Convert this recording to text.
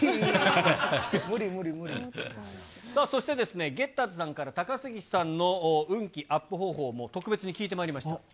無理、無理、そしてですね、ゲッターズさんから、高杉さんの運気アップ方法も、特別に聞いてまいりました。